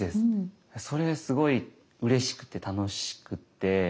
それすごいうれしくて楽しくて。